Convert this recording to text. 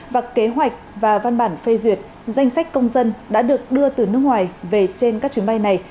và kế hoạch và văn bản phê duyệt danh sách công dân đã được đưa từ nước ngoài về trên các chuyến bay này